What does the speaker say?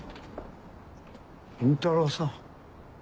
倫太郎さん。